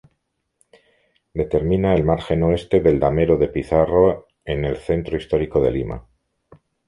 Determina el margen oeste del Damero de Pizarro en el centro histórico de Lima.